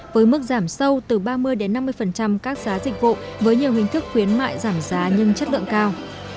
với mức giảm sâu từ ba mươi năm mươi các giá dịch vụ với nhiều hình thức khuyến mại giảm giá nhưng chất lượng cao